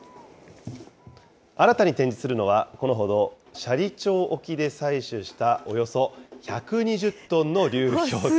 新たに展示するのは、このほど、斜里町沖で採取したおよそ１２０トンの流氷。